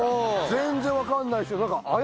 全然分かんないですよ。